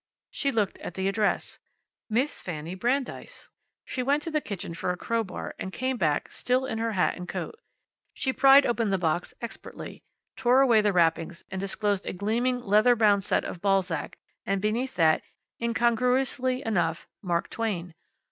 She looked at the address, "Miss Fanny Brandeis." She went to the kitchen for a crowbar, and came back, still in her hat and coat. She pried open the box expertly, tore away the wrappings, and disclosed a gleaming leather bound set of Balzac, and beneath that, incongruously enough, Mark Twain.